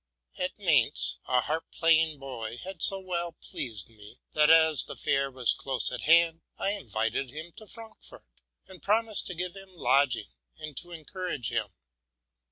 At Mayence a boy. playi ing the harp had so well pleased me, that, as the fair was close at hand, I invited him to Frankfort, and promised to give him lodging and to encourage him.